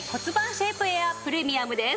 シェイプエアープレミアムです。